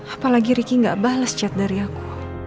apalagi riki gak bales chat dari aku